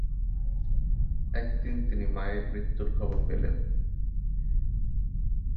একদিন তিনি মায়ের মৃত্যুর খবর পেলেন।